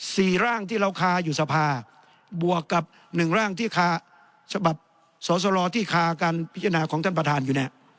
สี่ร่างที่เราคาอยู่สภาบวกกับหนึ่งร่างที่คาฉบับสอสรที่คาการพิจารณาของท่านประธานอยู่เนี่ย